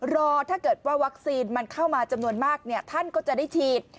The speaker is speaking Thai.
รอถ้าเกิดว่าวัคซีนมันเข้ามาจำนวนมากท่านก็จะได้ฉีด